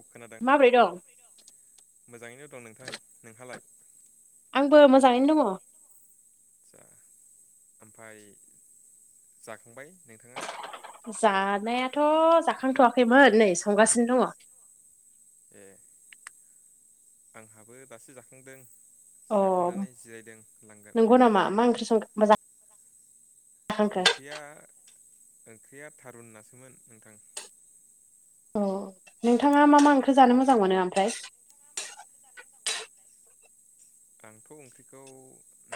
औ खोनादों मोजाङैनो दं नोंथां नोंहालाय आंबो मोजाङैनो दङ ओ ओमफाय जाखांबाय नोंथाङा जानायाथ' जाखांथ'वाखैमोन नै संगासिनो दङ ए आंहाबो दासो जाखांदों जाखांनानै जिरायदों लांगोनायाव मा मा ओंख्रि संदों मोजां ओंख्रिया ओंख्रिया थारुन नासोमोन नोंथां औ नोंथाङा मा मा ओंख्रि जानो मोजां मोनो आमफ्राय आंथ' ओंख्रिखौ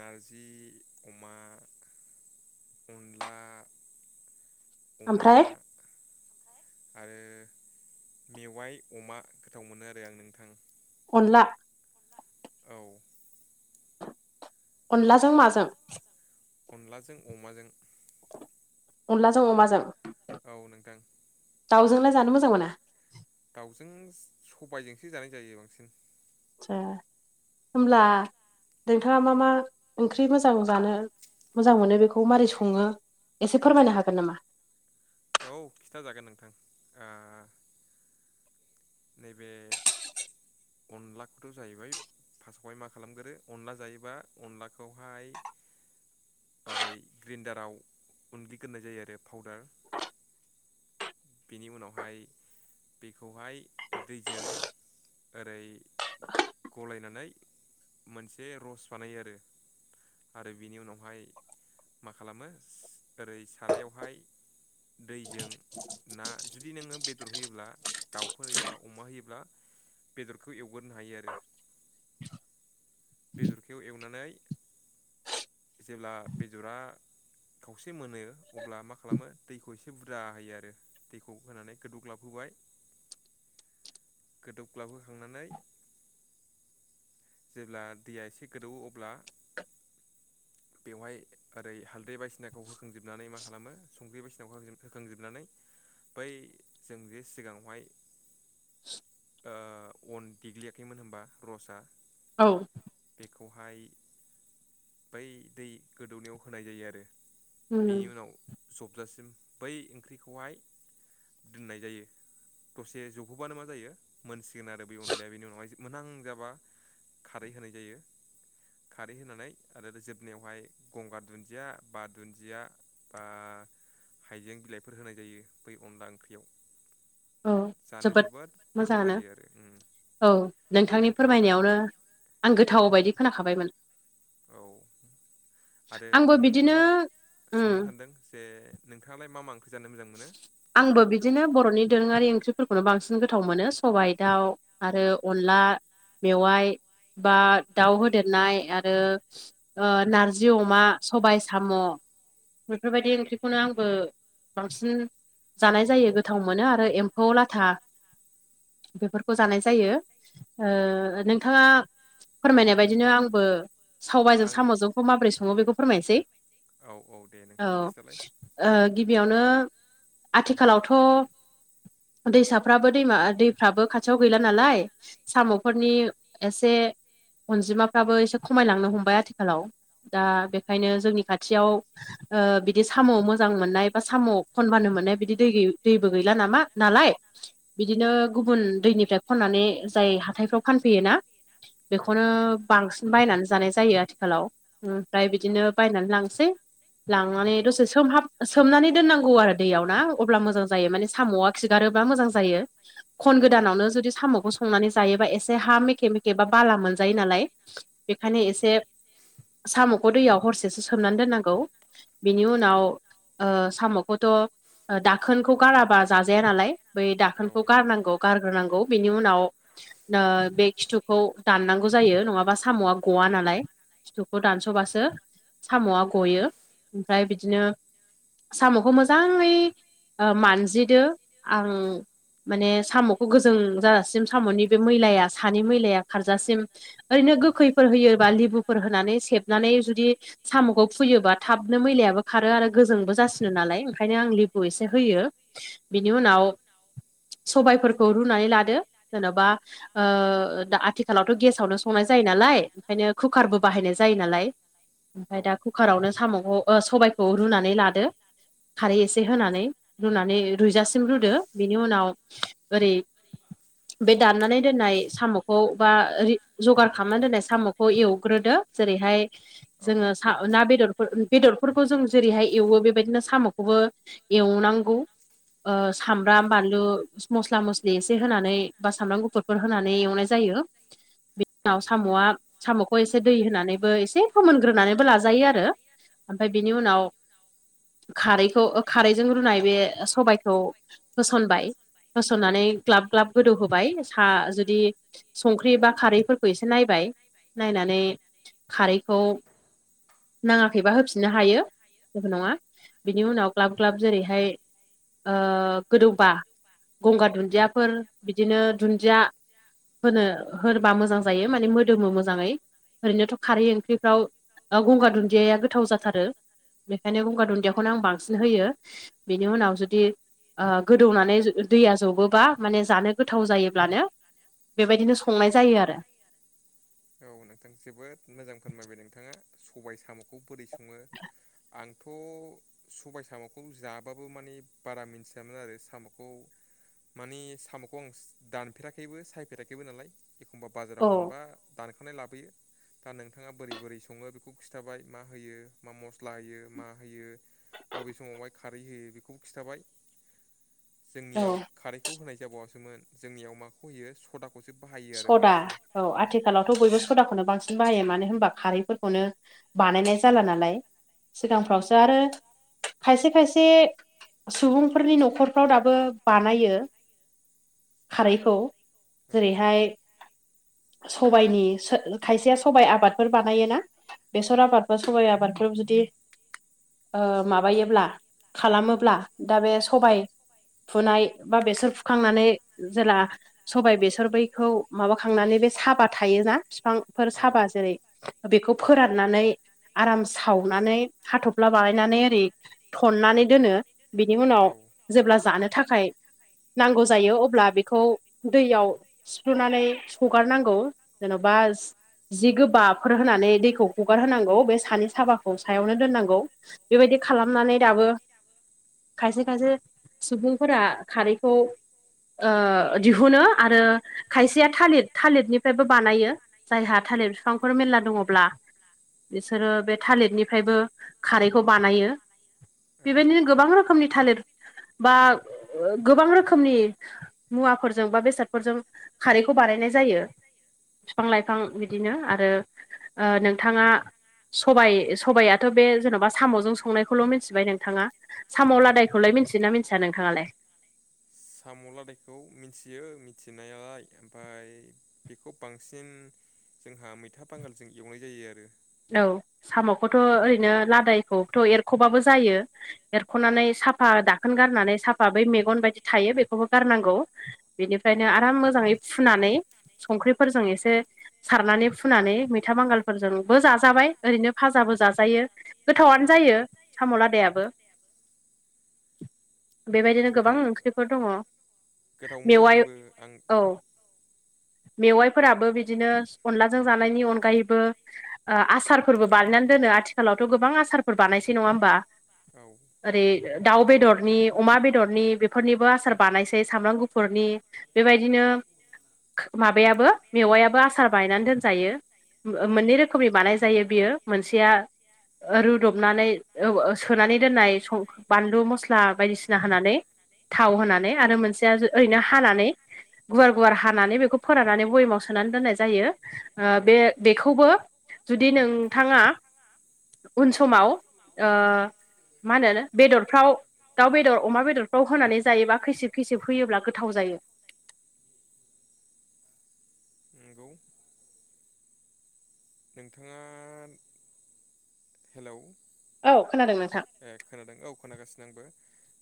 नारजि अमा अनला अमा आरो मेवाइ अमा गोथाव मोनो आरो आं नोंथां अनला औ अनलाजों माजों अनलाजों अमाजों अनलाजों अमाजों औ नोंथां दाउजोंलाय जानो मोजां मोना दाउजों सबायजोंसो जानाय जायो बांसिन आतसा होमब्ला नोंथाङा मा मा ओंख्रि मोजां जानो मोजां मोनो बेखौ मारै सङो एसे फोरमायनो हागोन नामा औ खिथाजागोन नोंथां ओ नैबे अनलाखौथ' जाहैबाय फास्टखौहाय मा खालामगोरो अनला जायोबा अनलाखौहाय ओरै ग्रेन्डाराव उनग्लि गोरनाय जायो आरो पाउदार बिनि उनावहाय बिखौहाय दैजों ओरै गलायनानै मोनसे रस बानायो आरो आरो बिनि उनावहाय मा खालामो ओरै सारायावहाय दैजों ना जुदि नोङो बेदर होयोब्ला दाउफोर एबा अमा होयोब्ला बेदरखौ एवगोरनो हायो आरो बेदरखौ एवनानै जेब्ला बेदरा खावसे मोनो अब्ला मा खालामो दैखौ एसे बुरजा होयो आरो दैखौ होनानै गोदौग्लाबहोबाय गोदोबग्लाबहखांनानै जेब्ला दैया एसे गोदौयो अब्ला बेवहाय ओरै हालदै बायसिनाखौ होखांजोबनानै मा खालामो संख्रि बायदिसिनाखौ होखांजोबनानै बै जों जे सिगाङावहाय अन देग्लियाखैमोन होमबा रसा औ बेखौहाय बै दै गोदौनायाव होनाय जायो आरो बेनि उनाव जबजासिम बै ओंख्रिखौहाय दोननाय जायो दसे ज जबहोबानो मा जायो मोनसिगोन आरो ब अनलाया बेनि उनावहाय मोनहां जाबा खारै होनाय जायो खारै होनानै आरो जोबनायावहाय गंगार दुन्दिया बा दुन्दिया बा हाइजें बिलाइफोर होनाय जायो बै अनला ओंख्रियाव औ जोबोद मोजाङानो औ नोंथांनि फोरमायनायावनो आं गोथाव बायदि खोनाखाबायमोन औ आरो आं नोंथांनाव सोंनो सानदों जे नोंथाङालाय मा मा ओंख्रि जानो मोजां मोनो आंबो बिदिनो बर'नि दोरोङारि ओंख्रिफोरखौनो बांसिन गोथाव मोनो सबाइ दाउ आरो अनला मेवाय बा दाउ होदेरनाय आरो नारजि अमा सबाय साम' बेफोरबायदि ओंख्रिखौनो आंबो बांसिन जानाय जायो गोथाव मोनो आरो एम्फौ लाथा बेफोरखौ जानाय जायो नोंथाङा फोरमायनाय बायदिनो आंबो सबायजों साम'जोंखौ माबोरै सङो बेखौ फोरमायनोसै औ गिबियावनो आथिखालावथ' दैसाफ्राबो दैमा दैफ्राबो खाथियाव गैला नालाय साम'फोरनि एसे अनजिमाफ्राबो एसे खमायलांनो हमबाय आथिखालाव दा बेखायनो जोंनि खाथियाव बिदि साम' मोजां मोननाय बा साम' खनबानो मोननाय बिदि दै दैबो गैला नामा नालाय बिदिनो गुबुन दैनिफ्राय खननानै जाय हाथायफ्राव फानफैयो ना बेखौनो बांसिन बायनानै जानाय जायो आथिखालाव ओमफ्राय बिदिनो बायनानै लांसै लांनानै दसे सोमहाब सोमनानै दोननांगौ आरो दैयाव ना अब्ला मोजां जायो माने साम'आ खिगारोब्ला मोजां जायो खन गोदानावनो जुदि साम'खौ संनानै जायोबा एसे हा मेखे मेखेबा बाला मोनजायो नालाय बेखायनो एसे साम'खौ दैयाव हरसेसो सोमनानै दोननांगौ बिनि उनाव साम'खौथ' दाखोनखौ गाराबा जाजाया नालाय बै दाखोनखौ गारनांगौ गारग्रोनांगौ बिनि उनाव बे खिथुखौ दाननांगौ जायो नङाबा साम'आ गया नालाय फिथुखौ दानस'बासो साम'आ गयो ओमफ्राय बिदिनो साम'खौ मोजाङै मानजिदो आं माने साम'खौ गोजों जाजासिम साम'नि बे मैलाया सानि मैलाया खारजासिम ओरैनो गोखैफोर होयोबा लेबुफोर होनानै सेबनानै जुदि साम'खौ फुयोबा थाबनो मैलायाबो खारो आरो गोजोंबो जासिनो नालाय ओंखायनो आं लेबु एसे होयो बिनि उनाव सबायफोरखौ रुनानै लादो जेन'बा दा आथिखालावथ' गेसावनो संनाय जायो नालाय ओंखायनो कुकारबो बाहायनाय जायो नालाय ओमफफ्राय दा कुकारावनो साम'खौ सबायखौ रुनानै लादो खारै एसे होनानै रुनानै रुइजासिम रुदो बेनि उनाव आरो बे दाननानै दोननाय साम'खौ बा जगार खालामनानै दोननाय साम'खौ एवग्रोदो जेरैहाय जोङो ना बेदर बेदरफोरखौ जों जेरैहाय एवो बेबायदिनो साम'खौबो एवनांगौ सामब्राम बानलु मस्ला मस्लि एसे होनानै बा सामब्राम गुफुरफोर होनानै एवनाय जायो बि उनाव साम'आ साम'खौ एसे दै होनानैबो एसे फोमोनग्रोनानैबो लाजायो आरो ओमफफ्राय बिनि उनाव खारैखौ खारैजों रुनाय बे सबायखौ होसनबाय होसननानै ग्लाब ग्लाब गोदौहोबाय साहा जुदि संख्रि बा खारैफोरखौ एसे नायबाय नायनानै खारैखौ नाङाखैबा होफिननो हायो जेबो नङा बिनि उनाव ग्लाब ग्लाब जेरैहाय गोदौबा गंगार दुन्दियाफोर बिदिनो दुन्दिया होनो होबा मोजां जायो माने मोदोमो मोजाङै ओरैनोथ' खारै ओंख्रिफ्राव गंगार दुन्दियया गोथाव जाथारो बेखायनो गंगार दुन्दियाखौनो आं बांसिन होयो बेनि उनाव जुदि गोदौनानै दैया जबोबा माने जानो गोथाव जायोब्लानो बेबायदिनो संनाय जायो आरो औ नोंथां जोबोद मोजां फोरमायबाय नोंथाङा सबाय साम'खौ बोरै सङो आंथ' सबाय साम'खौ जाबाबो मानिे बारा मिथियामोन आरो साम'खौ मानिे साम'खौ आं दानफेराखैबो सायफेराखैबो नालाय एखमबा बाजाराव मोनबा दानखानाय लाबोयो दा नोंथाङा बोरै बोरै सङो बेखौ खिथाबाय मा होयो मा मस्ला होयो मा होयो बबे समावहाय खारै होयो बेखौबो खिथाबाय जोंनियाव खारैखौ होनाय जाबावासोमोन जोंनियाव माखौ होयो सदा खौसो बाहायो आरो बांसिन आथिखालावथ' बयबो सदाखौनो बांसिन बाहायो मानो होनबा खारैफोरखौनो बानायनाय जाला नालाय सिगांफ्रावसो आरो खायसे खायसे सुबुंफोरनि न'खरफ्राव दाबो बानायो खारैखौ औ सबायनि खायसेया सबाइ आबादफोर बानायोना बेसर आबाद बा सबाइ आबादफोर जुदि माबायोब्ला खालामोब्ला दा बे सबाय फुनाय बा बेसर फुखांनानै जेला सबाय बेसर बै खौ माबाखांनानै बे साबा थायोना बिफांफोर साबा जेरै बेखौ फोराननानै आराम सावनानै हाथ'फ्ला बानायनानै ओरै थननानै दोनो बिनि उनाव जेब्ला जानो थाखाय नांगौ जायो अब्ला बेखौ दैयाव सिफ्र्लुनानै सगारनांगौ जेन'बा जि गोबाफोर होनानै दैखौ हगारहांगौ बे सानि साबाखौ सायावनो दोननांगौ बेबायदि खालामनानै दाबो खायसे खायसे सुबुंफोरा खारैखौ ओ दिहुनो आरो खायसेया थालिर थालिरनिफ्रायबो बानायो जायहा थालिर बिफांफोर मेरला दङब्ला बिसोरो बे थालिरनिफ्रायबो खारैखौ बानायो बेबायदिनो गोबां रोखोमनि थालिर बा गोबां रोखोमनि मुवाफोरजों बा बेसादफोरजों। खारैखौ बानायनाय जायो बिफां लाइफां बिदिनो आरो ओ नोंथाङा सबायाइ सबायाथ' बे जेनबा सामजों संनायखौल मिथिबाय नोंथाङा। साम लादायखौलाय मिथियोना मिथिया नोंथाङालाय? साम' लादैखौ मिथियो मिथिनाया ओमफाय बेखौ बांसिन जोंहा मैथा बांगालजों एवनाय जायो आरो। औ सामखौथ' ओरैनो लादायखौथ' एरख' बाबो जायो। एरख'नानै साफा दाखोन गारनानै साफा बै मेगन बायदि थायो बेखौबो गारनांगौ। बेनिफ्रायनो आराम मोजाङै फुनानै संख्रिफोरजों एसे सारनानै फुनानै मैथा बांगालफोरजों, बो जाजाबाय ओरैनो फाजाबो जाजायो। गोथावनो जायो साम' लादायाबो। [inaudible] बेबायदिनो गोबां ओंख्रिफोर दङ मेवाय औ मेवाइफोराबो बिदिनो अनलाजों जानायनि अनगायैबो, ओ आसारफोरबो बानायनानै दोनो आथिखालावथ' गोबां आसारफोर बानायसै नङा होमबा? औ ओरै दाउ बेदरनि अमा बेदरनि बेफोरनिबो आसार बानायसै सामब्राम गुफुरनि। बेबायदिनो माबायाबो मेवायाबो आसार बायनानै दोनजायो। ओ मोननै रोखोमनि बानाय जायो बियो मोनसेया। ओ रुदबनानै औ ओ सोनानै दोननाय स बानलु मस्ला बायदिसिना होनानै थाव होनानै आरो मोनसेया ओरैनो हानानै। गुवार-गुवार हानानै बेखौ फोराननानै भयामाव सोनानै दोननाय जायो ओ बे बेखौबो जुदि नोंथाङा उन समाव ओ मा नो बेदरफ्राव दाउ बेदर अमा बेदरफ्राव होनानै जायोबा खैसिब-खैसिब होयोब्ला गोथाव जायो। नोंगौ नोंथाङा हेलौ औ खोनादों नोंथां ए खोनादों औ खोनागासिनो आंबो।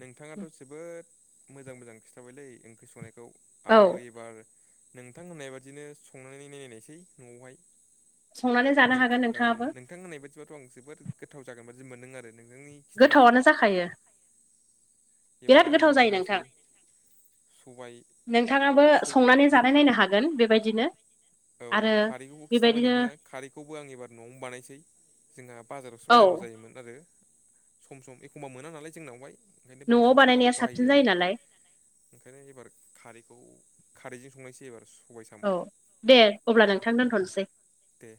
नोंथाङाथ' जोबोद मोजां-मोजां खिथाबायलै ओंख्रि संनायखौ। आंबो एबार नोंथां होननाय बादिनो संनानै नायनायसै न'आवहाय। नों औ नोंथां होननाय बादिबाथ' आं जोबोर गोथाव जागोन बादि मोनदों आरो नोंथांनि गोथावानो जाखायो बिराद गोथाव जायो नोंथां। सबाय नोंथाङाबो संनानै जानाय नायनो हागोन बेबायदिनो। औ खारैखौबो खिथाबाय नोंथाङा खारैखौबो आं एबार न'आवनो बानायनोसै जोंहा बाजारावसो बायनांगौ जायोमोन आरो सम-सम एखमबा मोना नालाय जोंनावहाय ओंखायनो बांसिन सदाखौ बाहायो आरो ओंखायनो एबार खारैखौ खारैजों संनायसै एबार सबाय साम। दे अब्ला नोंथां दोन्थ'नोसै। दे